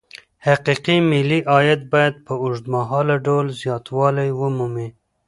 حقيقي ملي عايد بايد په اوږدمهاله ډول زياتوالی ومومي.